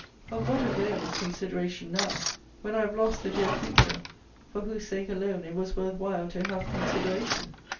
Of what avail is consideration now, when I have lost the dear creature, for whose sake alone it was worth while to have consideration?